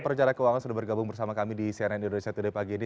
perencana keuangan sudah bergabung bersama kami di cnn indonesia today pagi ini